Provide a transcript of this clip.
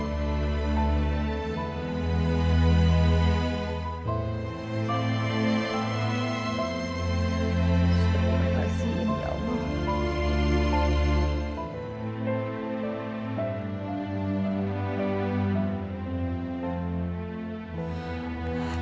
terima kasih ya allah